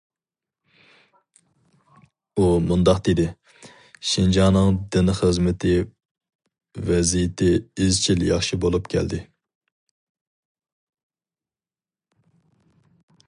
ئۇ مۇنداق دېدى: شىنجاڭنىڭ دىن خىزمىتى ۋەزىيىتى ئىزچىل ياخشى بولۇپ كەلدى.